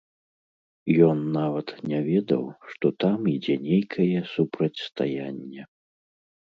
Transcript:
Ён нават не ведаў, што там ідзе нейкае супрацьстаянне.